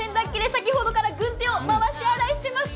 先ほどから軍手を回し洗いしています。